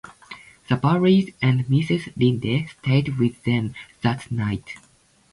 The Barrys and Mrs. Lynde stayed with them that night.